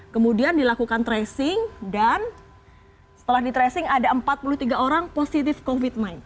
kemudian dilakukan tracing dan setelah di tracing ada empat puluh tiga orang positif covid sembilan belas